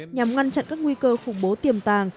nhằm ngăn chặn các nguy cơ khủng bố tiềm tàng